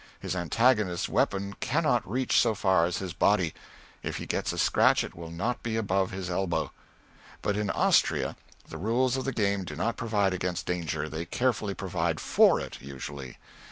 His antagonist's weapon cannot reach so far as his body; if he get a scratch it will not be above his elbow. But in Austria the rules of the game do not provide against danger, they carefully provide for it, usually.